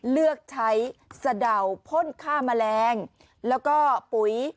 เลือกใช้สะเดาพ่นฆ่าแมลงแล้วก็ปุ๋ย